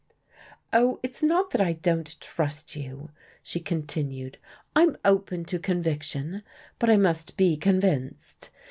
"Oh, it's not that I don't trust you," she continued, "I'm open to conviction, but I must be convinced.